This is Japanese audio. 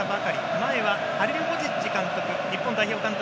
前はハリルホジッチ監督